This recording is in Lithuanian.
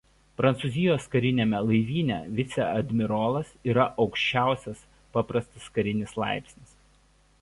Prancūzijos kariniame laivyne viceadmirolas yra aukščiausias paprastas karinis laipsnis.